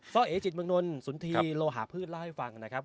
่อเอจิตเมืองนลสุนธีโลหาพืชเล่าให้ฟังนะครับ